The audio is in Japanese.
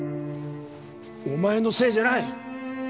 お前のせいじゃない！